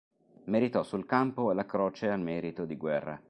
Meritò sul campo la Croce al Merito di Guerra.